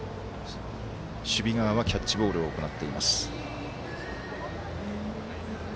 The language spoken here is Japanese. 守備側はキャッチボールを行っています。